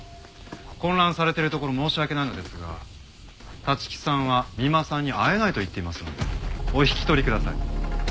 混乱されてるところ申し訳ないのですが立木さんは三馬さんに会えないと言っていますのでお引き取りください。